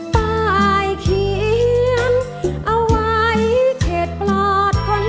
ป้ายเขียนเอาไว้เผ็ดปลอดค้นล่วง